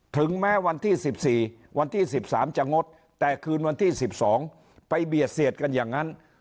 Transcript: ถึงแม้วันที่๑๔วันที่๑๓จะงดแต่คืนวันที่๑๒ไปเบียดเสียดกันอย่างนั้น